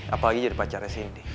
apalagi jadi pacarnya cindy